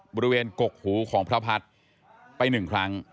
บริเวณกกหูของพระพัทธ์ไปหนึ่งครั้ง